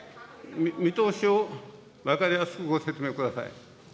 見通しを分かりやすくご説明ください。